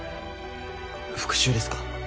復讐ですか？